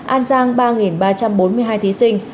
an giang ba ba trăm bốn mươi hai thí sinh